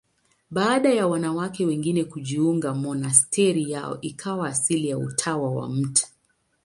Baada ya wanawake wengine kujiunga, monasteri yao ikawa asili ya Utawa wa Mt.